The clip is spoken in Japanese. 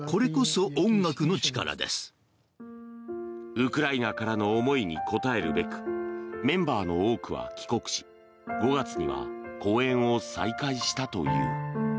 ウクライナからの思いに応えるべくメンバーの多くは帰国し５月には公演を再開したという。